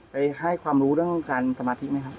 ให้ความรู้เรื่องการสมาธิไหมครับ